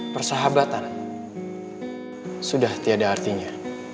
persahabatan sudah tiada artinya